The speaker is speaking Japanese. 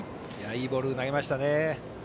いいボールを投げましたね。